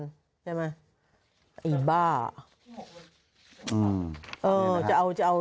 ได้ไหมเย็นบ้าจึ๊บ